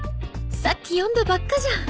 さっき読んだばっかじゃん。